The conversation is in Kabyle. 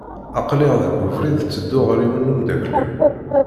Aqlih deg ubrid tedduɣ ɣer yiwen n umeddakel-iw.